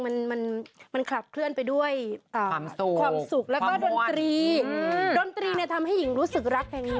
เมื่อสักครู่คุณผ่านกลับไปด้วยซิงโก้ใหม่และเพลงฮิต